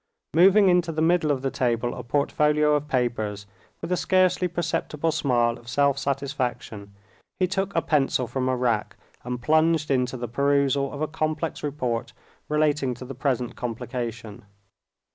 Moving into the middle of the table a portfolio of papers, with a scarcely perceptible smile of self satisfaction, he took a pencil from a rack and plunged into the perusal of a complex report relating to the present complication.